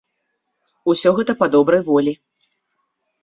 Усё гэта па добрай волі.